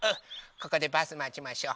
ここでバスまちましょう。